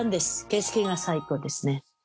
景色が最高ですね。